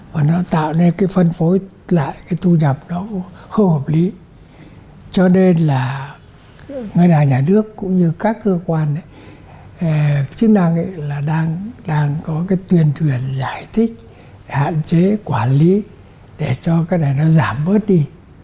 và nó tạo nên cái phân phối lại cái thu nhập nó không hợp lý cho nên là ngân hàng nhà nước cũng như các cơ quan hay chức năng ấy là đang có cái tuyên truyền giải thích hạn chế quản lý để cho cái này nó giảm bớt đi